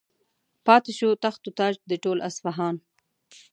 پاتې شو تخت و تاج د ټول اصفهان.